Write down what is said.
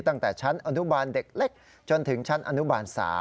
ตั้งแต่ชั้นอนุบาลเด็กเล็กจนถึงชั้นอนุบาล๓